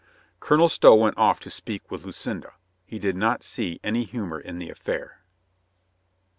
Colonel Stow went off to speak with Lucinda. He did not see any humor in the affair.